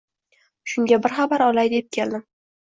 Shunga bir xabar olay, deb keldim.